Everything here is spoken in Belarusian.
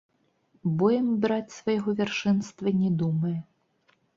Боем браць свайго вяршэнства не думае.